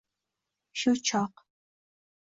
Shu chok —